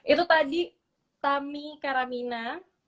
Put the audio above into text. itu tadi tami karamina